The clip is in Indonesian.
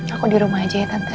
aku di rumah aja ya tante